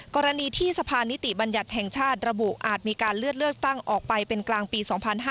กรณีที่สะพานนิติบัญญัติแห่งชาติระบุอาจมีการเลื่อนเลือกตั้งออกไปเป็นกลางปี๒๕๕๙